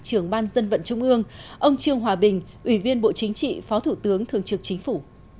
trưởng ban dân vận trung ương ông trương hòa bình ủy viên bộ chính trị phó thủ tướng thường trực chính phủ